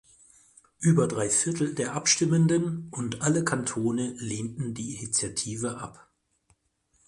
Über drei Viertel der Abstimmenden und alle Kantone lehnten die Initiative ab.